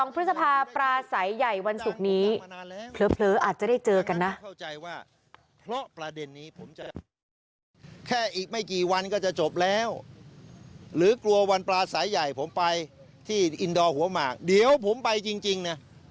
๑๒พฤษภาปลาสายใหญ่วันศุกร์นี้เผลออาจจะได้เจอกันนะ